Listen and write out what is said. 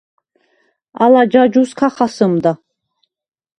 ალა ჯაჯუს ქა ხასჷმდა.